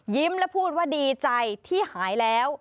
ยิ้มแล้วพูดว่าดีใจที่หายแล้ว